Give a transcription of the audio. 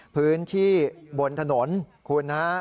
พื้นที่บนถนนคุณฮะ